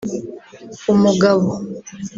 umugabo